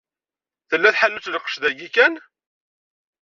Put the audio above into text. Tella tḥanut n lqec d ayi kan?